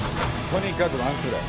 とにかくワンツーだ。